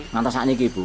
ngatas ikan itu bu